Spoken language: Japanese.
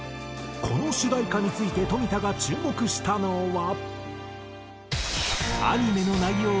この主題歌について冨田が注目したのは。